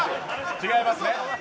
違います。